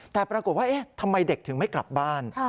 แต่ปรากฏว่าเอ๊ะทำไมเด็กถึงไม่กลับบ้าน